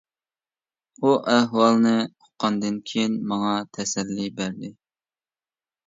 ئۇ ئەھۋالنى ئۇققاندىن كېيىن ماڭا تەسەللى بەردى.